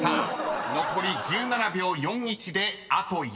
［残り１７秒４１であと４人］